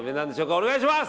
お願いします。